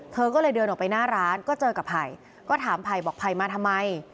เธอก็เลยเดินออกไปหน้าร้านก็เจอกับไผ่ก็ถามไผ่บอกไผ่มาทำไม